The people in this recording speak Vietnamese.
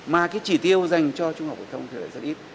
mà cái chỉ tiêu dành cho trung học phổ thông thì lại rất ít